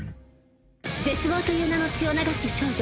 絶望という名の血を流す少女